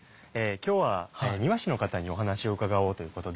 今日は庭師の方にお話を伺おうということで。